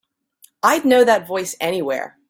I'd know that voice anywhere.